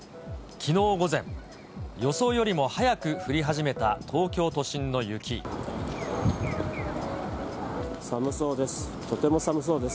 きのう午前、予想よりも早く寒そうです。